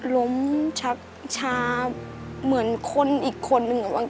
ล้มชับชาเหมือนคนอีกคนนึงอะ